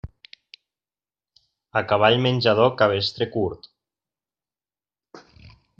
A cavall menjador, cabestre curt.